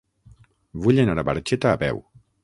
Vull anar a Barxeta a peu.